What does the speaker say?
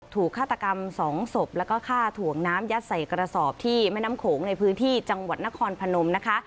ฆาตกรรมสองศพแล้วก็ฆ่าถ่วงน้ำยัดใส่กระสอบที่แม่น้ำโขงในพื้นที่จังหวัดนครพนมนะคะ